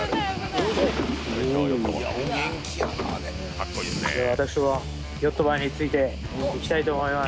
では私もヨットマンについて行きたいと思います。